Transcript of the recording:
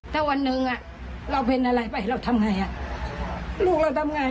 ถ้าวันหนึ่งเราเป็นอะไรไปเราทำไงลูกเราทำไง